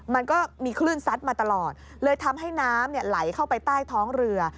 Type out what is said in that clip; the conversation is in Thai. มันก็มีคลื่นซัดมาตลอดเลยทำให้น้ำไหลเข้าไปใต้ท้องเรือ